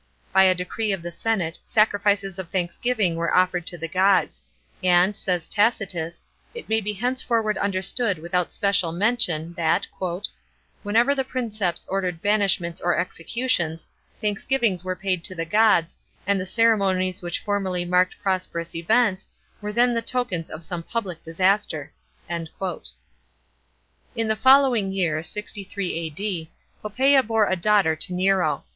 By a d( cree of the senate, samfiVes of thanksgiving were offered to the gods; and, says Tacitus, ii may be henceforward understood without special mention, that " whenever the Princeps 62, 63 A.D. DIVORCE AND DEATH OF OCTAVIA. 283 ordered banishments or executions, thanksgivings were paid to the gods, and the ceremonies which fo merly marked prosperous events, were then the tokens of some public di aster." In the following year (63 A.D.) Poppsea bore a daughter to Nero.